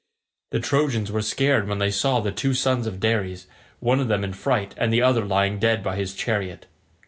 The Trojans were scared when they saw the two sons of Dares, one of them in fright and the other lying dead by his chariot.